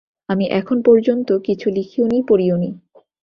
আমি এখন পর্যন্ত কিছু লিখিওনি, পড়িওনি।